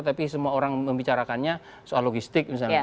tapi semua orang membicarakannya soal logistik misalnya